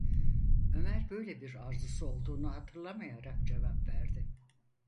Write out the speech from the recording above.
Ömer böyle bir arzusu olduğunu hatırlamayarak cevap verdi: